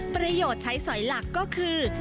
ประโยชน์ใช้สอยหลักก็คือ